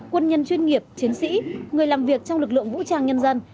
quân nhân chuyên nghiệp chiến sĩ người làm việc trong lực lượng vũ trang nhân dân